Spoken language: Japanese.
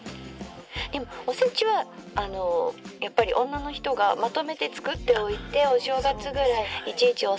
「でもおせちはあのやっぱり女の人がまとめて作っておいてお正月ぐらいいちいちおさん